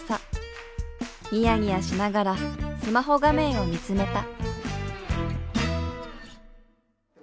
ニヤニヤしながらスマホ画面を見つめた。